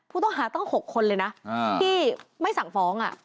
ผู้ต้องหาตั้ง๖คนเลยนะที่ไม่สั่งฟ้อง